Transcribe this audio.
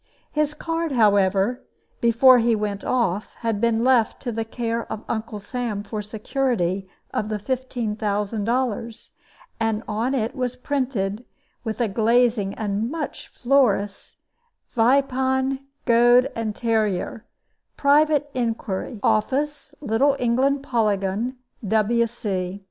His card, however, before he went off, had been left to the care of Uncle Sam for security of the 15,000 dollars; and on it was printed, with a glazing and much flourish, "Vypan, Goad, and Terryer: Private Inquiry Office, Little England Polygon, W.C."